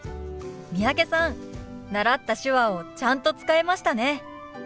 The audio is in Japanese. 三宅さん習った手話をちゃんと使えましたね。